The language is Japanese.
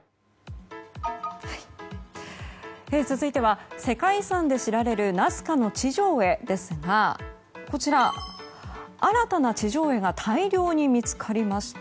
続いては、世界遺産で知られるナスカの地上絵ですがこちら、新たな地上絵が大量に見つかりました。